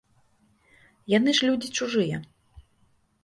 Яны ж людзі чужыя.